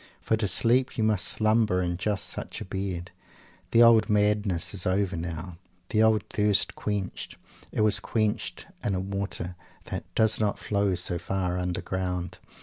"For to sleep you must slumber in just such a bed!" The old madness is over now; the old thirst quenched. It was quenched in a water that "does not flow so far underground."